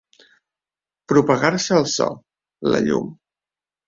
Propagar-se el so, la llum.